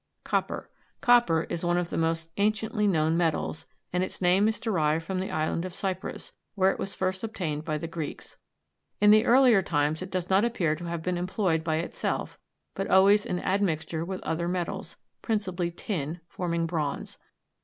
COPPER. Copper is one of the most anciently known metals, and its name is derived from the island of Cyprus, where it was first obtained by the Greeks. In the earlier times it does not appear to have been employed by itself, but always in admixture with other metals, principally tin, forming bronze.